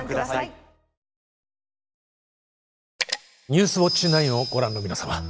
「ニュースウオッチ９」をご覧の皆様